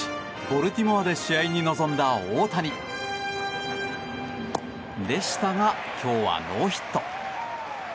ボルティモアで試合に臨んだ大谷でしたが今日はノーヒット。